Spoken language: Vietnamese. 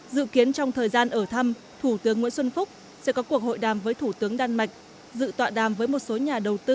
dự kiến trong thời gian ở thăm thủ tướng nguyễn xuân phúc sẽ có cuộc hội đàm với thủ tướng đan mạch